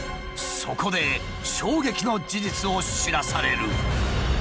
そこで衝撃の事実を知らされる。